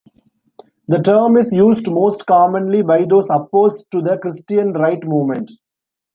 The term is used most commonly by those opposed to the Christian Right movement.